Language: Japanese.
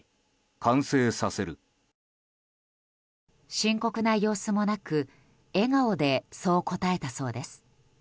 深刻な様子もなく笑顔でそう答えたそうです。